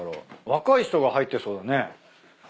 若い人が入ってそうだね。